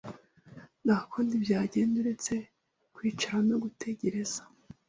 Nta kundi byagenda uretse kwicara no gutegereza